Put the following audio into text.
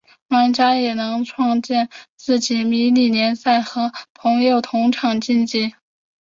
玩家也能自己创立迷你联赛和自己的朋友同场竞技。